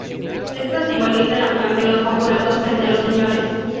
Esto simbolizaba la unión de los conjurados frente a los Señores.